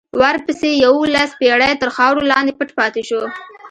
ورپسې یوولس پېړۍ تر خاورو لاندې پټ پاتې شو.